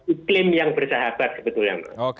iklim yang bersahabat sebetulnya